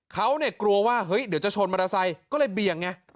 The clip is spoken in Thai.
เขาเนี่ยกลัวว่าเฮ้ยเดี๋ยวจะชนมอเตอร์ไซค์ก็เลยเบี่ยงไง